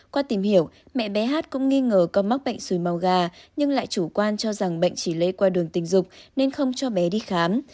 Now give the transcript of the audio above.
qua tìm hiểu mẹ bé hát cũng nghi ngờ con mắc bệnh xui màu gà nhưng lại chủ quan cho rằng bệnh chỉ lây qua đường tình dục nên không cho bé đi khám